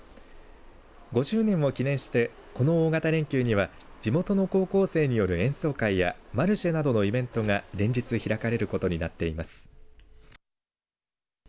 ５周年を記念してこの大型連休には地元の高校生による演奏会やマルシェなどのイベントが連日開かれることになっています。